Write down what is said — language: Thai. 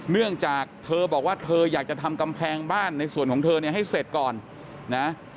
เนื่องจากเธอบอกว่าเธออยากจะทำกำแพงบ้านในส่วนของเธอเนี่ยให้เสร็จก่อนนะ